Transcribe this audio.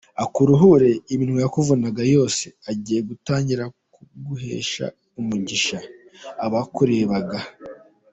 akuruhure, iminwa yakuvumaga yose, igiye gutangira kuguhesha umugisha, abakurebaga.